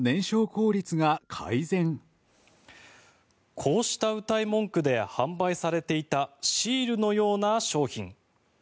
こうしたうたい文句で販売されていたシールのような商品。